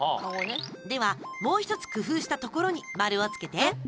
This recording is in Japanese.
では、もう一つ工夫した所に丸をつけて！